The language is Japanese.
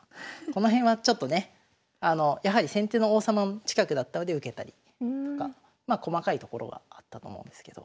この辺はちょっとね先手の王様の近くだったので受けたりとかまあ細かいところはあったと思うんですけど。